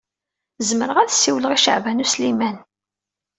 Zemreɣ ad as-siwleɣ i Caɛban U Sliman.